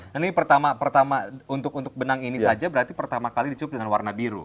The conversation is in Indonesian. nah ini pertama untuk benang ini saja berarti pertama kali dicukup dengan warna biru